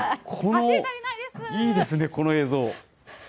いいですね、この映像。